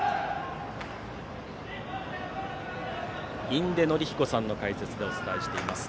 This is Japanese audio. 印出順彦さんの解説でお伝えしています。